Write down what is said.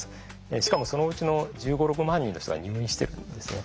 しかもそのうちの１５１６万人の人が入院してるんですね。